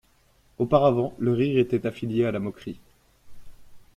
Auparavant, le rire était affilié à la moquerie.